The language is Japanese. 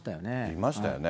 いましたよね。